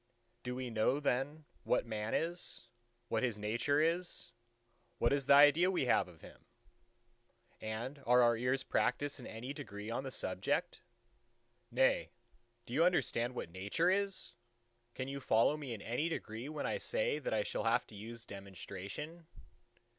"Do we know then what Man is? what his nature is? what is the idea we have of him? And are our ears practised in any degree on the subject? Nay, do you understand what Nature is? can you follow me in any degree when I say that I shall have to use demonstration?